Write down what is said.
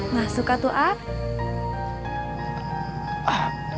masukkan tuh a